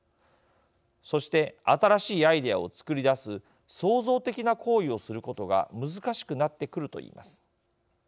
そして新しいアイデアを作り出す創造的な行為をすることが難しくなってくると言います。